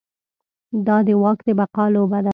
دا د واک د بقا لوبه ده.